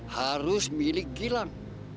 harus milik gilang